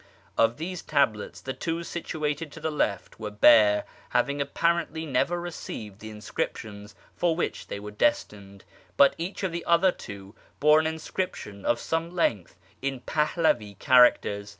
Of these tablets the two situated to the left were bare, having apparently never received the in scriptions for which they were destined ; but each of the other two bore an inscription of some length in Pahlavi characters.